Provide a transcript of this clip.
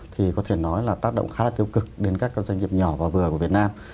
thì có thể nói là tác động khá là tiêu cực đến các doanh nghiệp nhỏ và vừa của việt nam